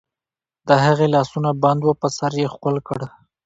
د هغې لاسونه بند وو، په سر یې ښکل کړ.